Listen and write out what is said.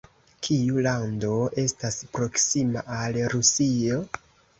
Kiu lando estas proksima al Rusio?